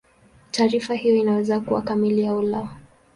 Taarifa hiyo inaweza kuwa kamili au la.